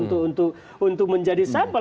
untuk menjadi sampel